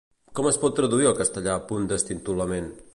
Com es pot traduir al castellà punt d'estintolament?